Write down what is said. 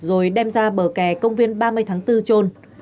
rồi đem ra bờ kè công viên ba mươi tháng bốn trôn